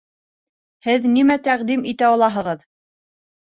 Һеҙ нимә тәҡдим итә алаһығыҙ?